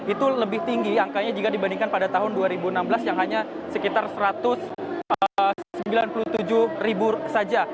itu lebih tinggi angkanya jika dibandingkan pada tahun dua ribu enam belas yang hanya sekitar satu ratus sembilan puluh tujuh ribu saja